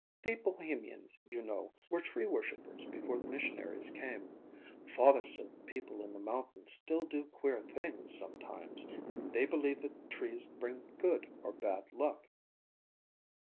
"The Bohemians, you know, were tree worshipers before the missionaries came. Father says the people in the mountains still do queer things, sometimes,—they believe that trees bring good or bad luck."